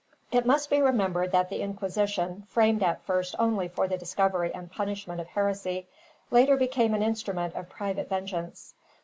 For it must be remembered that the Inquisition, framed at first only for the discovery and punishment of heresy, later became an instrument of private vengeance.